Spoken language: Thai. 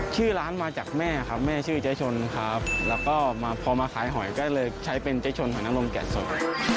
ชื่อร้านมาจากแม่ครับแม่ชื่อเจ๊ชนครับแล้วก็พอมาขายหอยก็เลยใช้เป็นเจ๊ชนหอยน้ำนมแกะสด